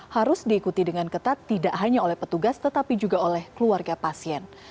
harus diikuti dengan ketat tidak hanya oleh petugas tetapi juga oleh keluarga pasien